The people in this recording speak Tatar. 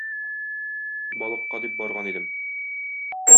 Балыкка дип барган идем